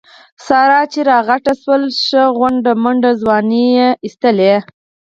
ساره چې را لویه شوله ښه غونډه منډه ځواني یې و ایستله.